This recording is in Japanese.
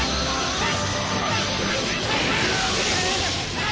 はい！